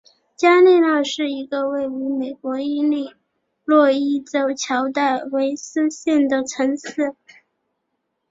加利纳是一个位于美国伊利诺伊州乔戴维斯县的城市。